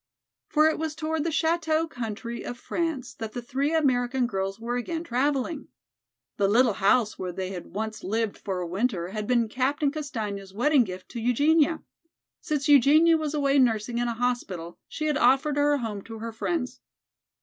For it was toward the chateau country of France that the three American girls were again traveling. The little house where they had once lived for a winter had been Captain Castaigne's wedding gift to Eugenia. Since Eugenia was away nursing in a hospital she had offered her home to her friends.